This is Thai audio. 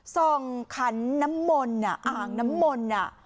ส่องขันน้ำมนอ่ะอ่างน้ำมนอ่ะ